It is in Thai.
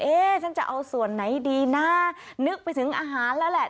ฉันจะเอาส่วนไหนดีนะนึกไปถึงอาหารแล้วแหละ